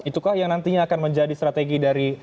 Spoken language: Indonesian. itukah yang nantinya akan menjadi strategi dari